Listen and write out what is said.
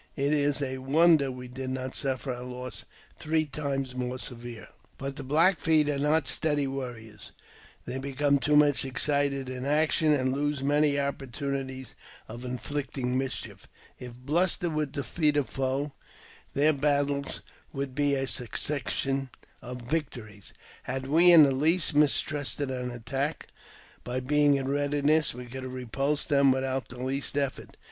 It is a wonder we did not suffer a loss three times more severe.. But the Black Feet are not steady warriors ; they become too much excited in action, and lose many opportunitlas of inflict ing mischief. If bluster would defeat a foe, their battles would be a succession of victories. Had we in the least mistrusted; an attack, by being in readiness we could have repulsed them without the least effort.